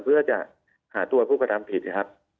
เพื่อจะหาตัวผู้กระทำผิดนะครับ